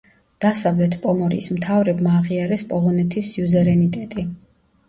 დასავლეთ პომორიის მთავრებმა აღიარეს პოლონეთის სიუზერენიტეტი.